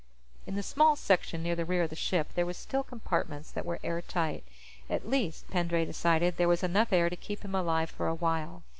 In the small section near the rear of the ship, there were still compartments that were airtight. At least, Pendray decided, there was enough air to keep him alive for a while.